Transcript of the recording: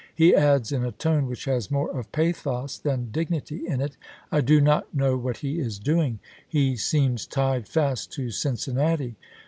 He adds in a tone which has more of pathos XXIII.?' than dignity in it, "I do not know what he is p. 531." doing. He seems tied fast to Cincinnati."